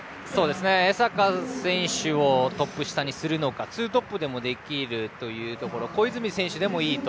江坂選手をトップ下にするのかツートップでもできるというところで小泉選手でもいいと。